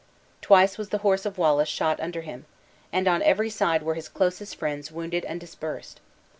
Twice was the horse of Wallace shot under him; and on every side were his closest friends wounded and dispersed.